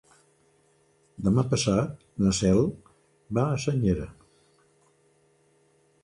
Demà passat na Cel va a Senyera.